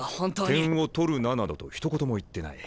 「点を取るな」などとひと言も言ってない。